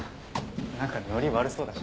何かノリ悪そうだし。